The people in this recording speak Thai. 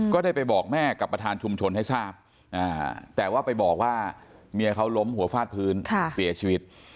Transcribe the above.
ก็ได้ไปบอกแม่กับประธานชุมชนให้ทราบแต่ว่าไปบอกว่าเมียเขาล้มหัวฟาดพื้นเสียชีวิต